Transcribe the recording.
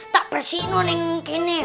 tak bersihin wane yang gini